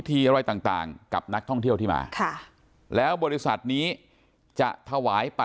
ฟังท่านเจ้าอาวาสครับ